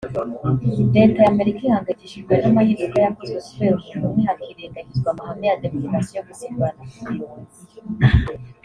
Leta y’Amerika ihangayikishijwe n’amahinduka yakozwe kubera umuntu umwe hakirengagizwa amahame ya demokarasi yo gusimburana ku buyobozi